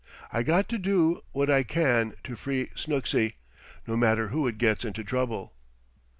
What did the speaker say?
I got to do what I can to free Snooksy, no matter who it gets into trouble."